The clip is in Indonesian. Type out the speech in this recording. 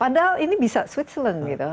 padahal ini bisa switzlen gitu